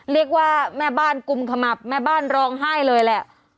เรียกว่าแม่บ้านกุมขมับแม่บ้านร้องไห้เลยแหละ